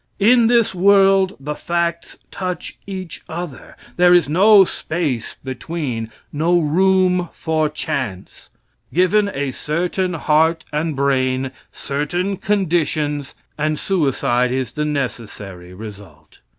In this world the facts touch each other. There is no space between no room for chance. Given a certain heart and brain, certain conditions, and suicide is the necessary result.